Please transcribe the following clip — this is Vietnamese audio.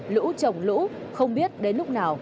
lũ trồng lũ không biết đến lúc nào